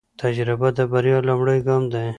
تجربه د بریا لومړی ګام دی.